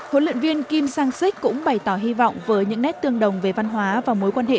huấn luyện viên kim sang sích cũng bày tỏ hy vọng với những nét tương đồng về văn hóa và mối quan hệ